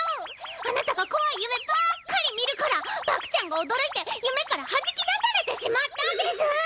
あなたが怖い夢ばっかり見るからバクちゃんが驚いて夢からはじき出されてしまったです！